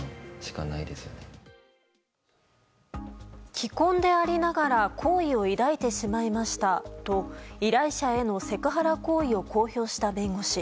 既婚でありながら好意を抱いてしまいましたと依頼者へのセクハラ行為を公表した弁護士。